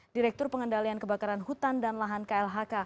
direktur pengendalian kebakaran hutan dan lahan klhk